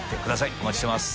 お待ちしてます。